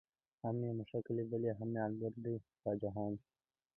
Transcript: هم مې مښک ليدلي، هم عنبر دي په جهان کې